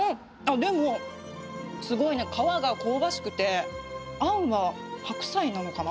でもすごいね、皮が香ばしくて、あんが白菜なのかな？